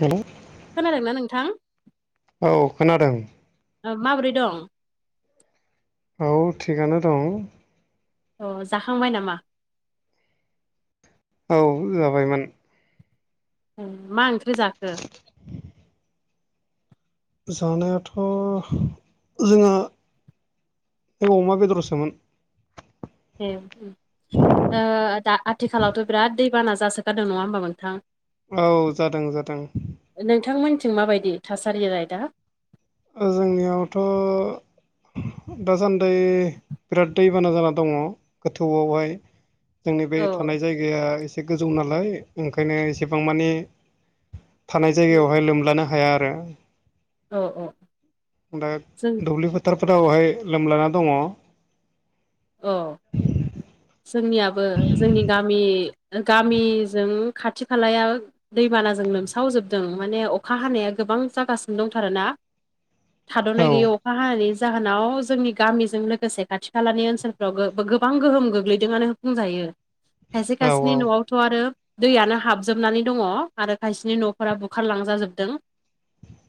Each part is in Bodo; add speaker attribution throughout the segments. Speaker 1: होलाय
Speaker 2: खोनादोंना नोंथां
Speaker 1: औ खोनादों
Speaker 2: ओ माबोरै दं
Speaker 1: औ थिगानो दं
Speaker 2: अ जाखांबाय नामा
Speaker 1: औ जाबायमोन
Speaker 2: ए मा ओंख्रि जाखो
Speaker 1: जानायाथ' जोङा अमा बेदरसोमोन
Speaker 2: उम ओ दा आथिखालावथ' बिराद दैबाना जासोगारदों नङा होमबा मोनथां
Speaker 1: औ जादों जादों
Speaker 2: नोंथांमोनथिं माबायदि थासारियालाय दा?
Speaker 1: ओ जोंनियावथ' दासान्दै बिराद दैबाना जाना दङ गोथौआवहाय जोंनि बे
Speaker 2: औ
Speaker 1: थानाय जायगाया एसे गोजौ नालाय ओंखायनो एसेबां मानि थानाय जायगायावहाय लोमलानो हाया आरो
Speaker 2: अ अ
Speaker 1: दा दुब्लि फोथारफोरावहाय लोमलाना दङ
Speaker 2: औ जोंनियाबो जोंनि गामि गामिजों खाथि खालाया दैबानाजों लोमसावजोबदों माने अखा हानाया गोबां जागासिनो दंथारोना
Speaker 1: औ
Speaker 2: थाद'नाय गैयै अखा हानायनि जाहोनाव जोंनि गामिजों लोगोसे खाथि खालानि ओनसो सोलफोराव गो-गोबां गोहोम गोग्लैदोंनो बुंजायो खायसे खायसेनि न'आव थ' आरो दैयानो हाबजोबनानै दङ आरो खायसेनि न'फोरा बुखारलांजाजोबदों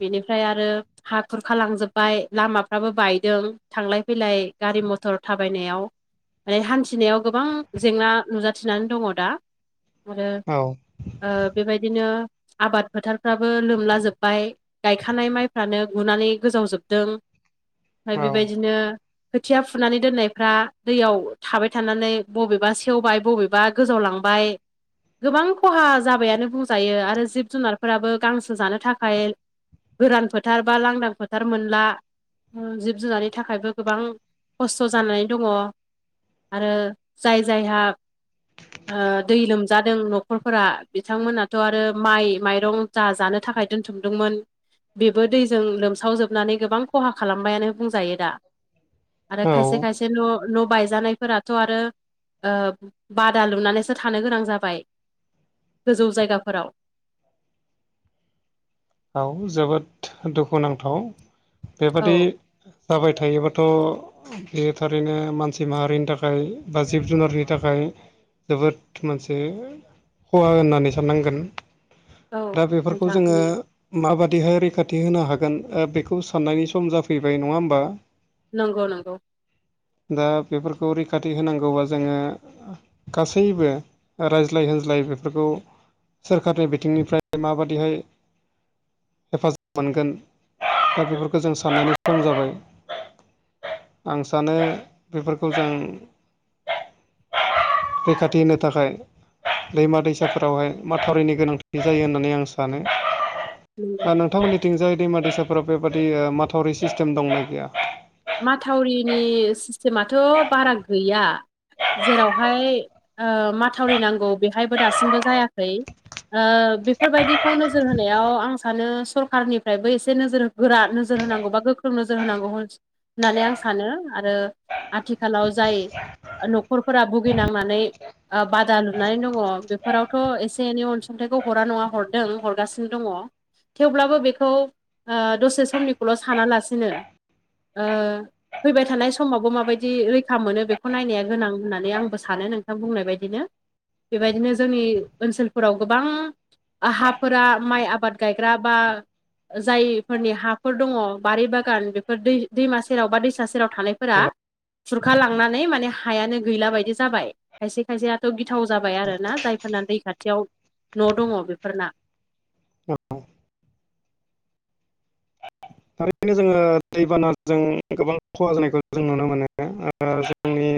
Speaker 2: बेनिफ्राय आरो हा खुरखालांजोबाय लामाफ्राबो बायदों थांलाय फैलाय गारि मथर थाब बायनायाव माने हान्थिनायाव गोबां जेंना नुजाथिनानै दङ दा। आरो
Speaker 1: औ
Speaker 2: ओ बेबायदिनो आबाद फोथारफ्राबो लोमला जोब्बाय गायखानाय माइफ्रानो गुनानै गोजावजोबदों। ओमफ्राय बेबायदिनो खोथिया फुनानै दोननाय फ्रा दैयाव थाबाय थानानै बबेबा सेवबाय बबेबा गोजावलांबाय। गोबां खहा जाबायानो बुंजायो आरो जिब जुनारफोराबो गांसो जानो थाखाय गोरान फोथार बा लांदां फोथार मोनला। जिब जुनारनि थाखायबो गोबां खस्थ' जानाय दङ आरो जाय जायहा ओ दै लोमजादों न'खरफोरा बिथांमोनाथ' आरो माइ माइरं जा जानो थाखाय दोनथुमदोंमोन बेबो दैजों लोमसावजोब नानै गोबां खहा खालामबायानो बुंजायो दा आरो
Speaker 1: औ
Speaker 2: खायसे खायस न' न' बायजानायफोराथ' आरो ओ बादा लुनानैसो थानो गोनां जाबाय गोजौ जायगाफोराव।
Speaker 1: औ जोबोद दुखुुनांथाव
Speaker 2: औ
Speaker 1: बेबादि जाबाय थायोबाथ' बे थारैनो मानसि माहारिनि थाखाय बा जिब जुनारनि थाखाय जोबोद मोनसे खहा होननानै साननांगोन।
Speaker 2: औ
Speaker 1: दा बेफोरखौ
Speaker 2: नोंथां
Speaker 1: जोङो
Speaker 2: नंगौ
Speaker 1: माबादिहाय रैखाथि होनो हागोन ओ बेखौ साननायनि सम जाफैबाय नङा होमबा?
Speaker 2: नोंगौ नोंगौ।
Speaker 1: दा बेफोरखौ रैखाथि होनांगौबा जोङो आ गासैबो रायज्लाय होनज्लाय बेफोरखौ सोरखारनि बिथिंनिफ्राय माबादिहाय? हेफाजाब मोनगोन दा बेफोरखौ जों साननायनि सम जाबाय। आं सानो बेफोरखौ जों रैखाथि होनो थाखाय दैमा दैसाफोरावहाय मा थावरिनि गोनांथि जायो होननानै आं सानो।
Speaker 2: नंगौ
Speaker 1: नोंथांमोननिथिंजाय दैमा दैसाफोराव बेबादि माथावरि सिस्टेम दंना गैया?
Speaker 2: माथावरिनि सिस्टेमाथ' बारा गैया। जेरावहाय ओ माथावरि नांगौ बेहायबो दासिमबो जायाखै। ओ बेफोरबायदिखौ नोजोर होनायाव आं सानो सरखारनिफ्रायबो एसे नोजोर हो गोरा नोजोर होनांगौ बा गोख्रों नोजोर होनांगौ होन्स होननानै आं सानो आरो आथिखालाव जाय न'खरफोरा भुगिनांनानै ओ बादा लुनानै दङ बेफोरावथ' एसे एनै अनसुंथाइखौ हरा नङा हरदों हरगासिनो दङ। थेवब्लाबो बेखौ ओ दसे समनिखौल' सानालासिनो ओ फैबाय थानाय समावबो माबायदि रैखा मोनो बेखौ नायनाया गोनां होननानै आंबो सानो नोंथां बुंनाय बायदिनो। बेबायदिनो जोंनि ओनसोलफोराव गोबां हाफोरा माइ आबाद गायग्रा बा जायफोरनि हाफोर दङ बारि बागान बेफोर दै दैमा सेराव बा दैसा सेराव थानायफोरा खुरखा लांनानै माने हायानो गैला बायदि जाबाय। खायसे खायसेयाथ' गिथाव जाबाय आरो ना जायफोरना दै खाथियाव न' दङ बेफोरना।
Speaker 1: [unintelligible] थारैनो जोङो दैबानाजों गोबां खहा जानायखौ जों नुनो मोनो ओ जोंनि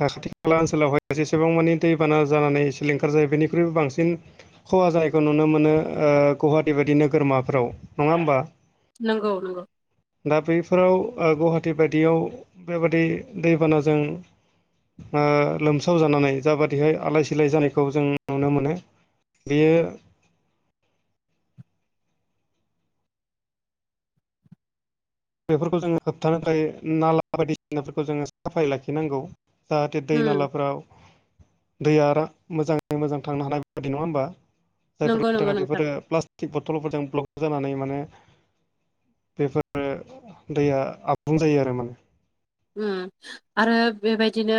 Speaker 1: खाथि खाला ओनसोलावहाय जेसेबां मानि दैबाना जानानै सिलिंखार जायो बेनिख्रुइबो बांसिन खहा जानायखौ नुनो मोनो ओ गुवाहाटी बायदि नोगोरमाफ्राव नङा होमबा।
Speaker 2: नंगौ - नंगौ।
Speaker 1: दा बैफोराव ओ गुवाहाटि बायदियाव बेबादि दैबानाजों ओ लोमसाव जानानै जाबादिहाय आलाय सिलाय जानायखौ जों नुनो मोनो। बेयो बेफोरखौ जोङो होबथानो थाखाय नाला बायदिसिनाफोरखौ जोङो साफाय लाखिनांगौ। जाहाथे दै
Speaker 2: उम
Speaker 1: नालाफोराव दैया रां मोजाङै मोजां थांनो हानाय बेबादि नङा होमबा
Speaker 2: नंगौ
Speaker 1: जायफोरनि
Speaker 2: नंगौ
Speaker 1: थाखाय
Speaker 2: नोंथां
Speaker 1: बेफोरो प्लास थिग बथलफोरजों ब्लक जानानै माने बेफोरो दैया आबुं जायो आरो माने
Speaker 2: ओम आरो बेबायदिनो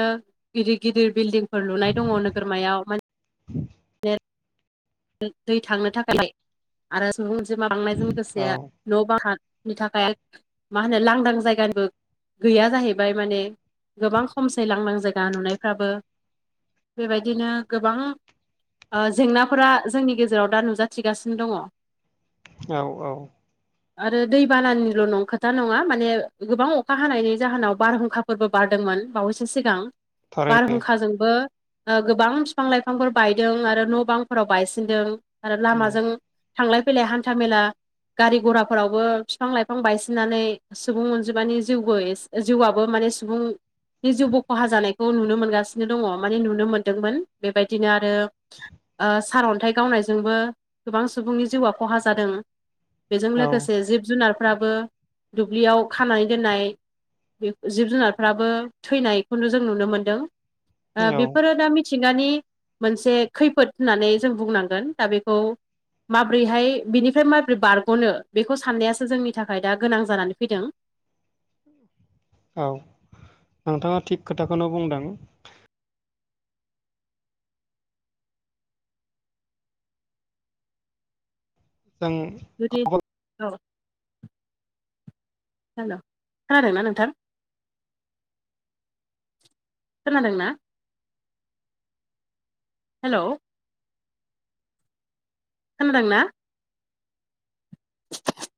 Speaker 2: गिदिर-गिदिर बिल्डिंफोर लुनाय दङ नोगोरमायाव।
Speaker 1: [inaudible]
Speaker 2: दै थांनो थाखाय आरो सुबुं अनजिमा बांनायजों लोगोसे
Speaker 1: औ
Speaker 2: न' बां था बिथाखा मा होनो लांदां जायगानिबो गैया जाहैबाय माने गोबां खमसै लांदां जायगा नुनायफ्राबो बेबायदिनो गोबां ओ जेंना फोरा जोंनि गेजेराव दा नुजाथिगासिनो दङ।
Speaker 1: औ-औ।
Speaker 2: आरो दै बानानिल' नं खोथा नङा माने गोबां अखा हानायनि जाहोनाव बारहुंखा फोरबो बारदोंमोन बावैसो सिगां
Speaker 1: थारैनो
Speaker 2: बारहुंखाजोंबो ओ गोबां बिफां लाइफांफोर बायदों आरो न' बां फोराव बायसिनदों आरो लामाजों थांलाय फैलाय हान्था मेला गारि गराफोरावबो बिफां लाइफां बायसिननानै सुबुं अनजिमानि जिउबो एस जिउआआबो माने सुबुं बे जिउबो खहा जानायखौ नुनो मोनगासिनो दङ माने नुनो मोन्दोंमोन बेबायदिनो आरो ओ सारअन्थाइ गावनायजोंबो गोबां सुबुंनि जिउआ खहा जादों। बेजों
Speaker 1: औ
Speaker 2: लोगोसे जिब जुनारफ्राबो दुब्लियाव खानानै दोननाय बे जिब जुनारफोराबो थैनायखौनो जों नुनो मोनदों। ओ
Speaker 1: औ
Speaker 2: बेफोरो दा मिथिंगानि मोनसे खैफोद होननानै जों बुंनांगोन दा बेखौ माबोरैहाय बिनिफ्राय माबोरै बारग'नो बेखौ साननायासो जोंनि थाखाय दा गोनां जानानै फैदों।
Speaker 1: [unintelligible] औ नोंथाङा थिग खोथाखौनो बुंदों। जों
Speaker 2: जुदि औ हेल' खोनादोंना नोंथां। खोनादोंना हेल' खोनादों ना? [unintelligible]